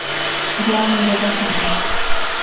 জয়া নীরবে হাসে।